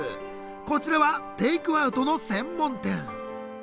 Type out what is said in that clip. こちらはテイクアウトの専門店。